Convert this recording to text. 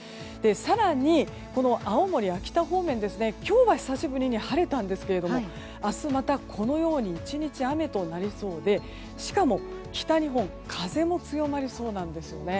更に、青森、秋田方面今日は久しぶりに晴れたんですけれども明日またこのように１日雨となりそうでしかも、北日本は風も強まりそうなんですね。